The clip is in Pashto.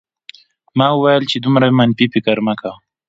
ما وویل چې دومره منفي فکر مه کوه